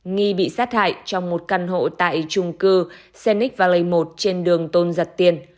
nghi bị sát hại trong một căn hộ tại trung cư scenic valley một trên đường tôn giật tiên